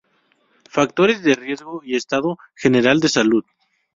Factores de riesgo y estado general de salud.